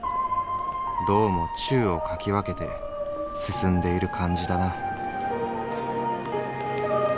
どうも宙を掻き分けて進んでいる感じだな」。